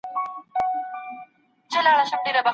مڼه د ړوند هلک لخوا له ډاره په اوږه ساتل کیږي.